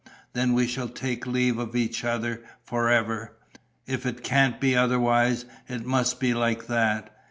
Then we shall take leave of each other, for ever. If it can't be otherwise, it must be like that.